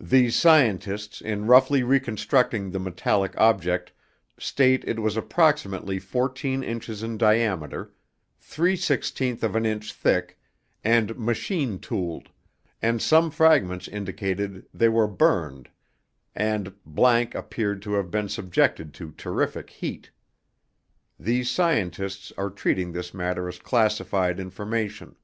THESE SCIENTISTS IN ROUGHLY RECONSTRUCTING THE METALLIC OBJECT STATE IT WAS APPROXIMATELY FOURTEEN INCHES IN DIAMETER, THREE SIXTEENTH OF AN INCH THICK, AND MACHINE TOOLED, AND SOME FRAGMENTS INDICATED THEY WERE BURNED AND ____ APPEARED TO HAVE BEEN SUBJECTED TO TERRIFIC HEAT. THESE SCIENTISTS ARE TREATING THIS MATTER AS CLASSIFIED INFORMATION.